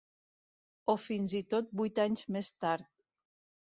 O fins i tot vuit anys més tard.